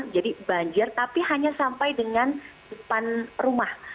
dua ribu dua jadi banjir tapi hanya sampai dengan depan rumah